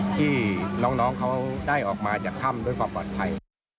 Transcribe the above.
ที่น้องเขาได้ออกมาจากถ้ำด้วยความปลอดภัย